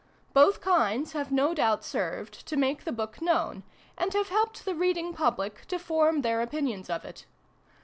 Both kinds have no doubt served to make the book known, and have helped the reading Public to form their opinions of it.